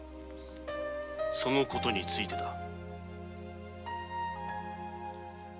その事についてだ。